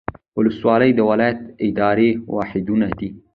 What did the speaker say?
ولسوالۍ د ولایت اداري واحدونه دي